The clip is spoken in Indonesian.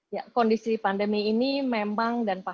ya kondisi pandemi ini memang dan pak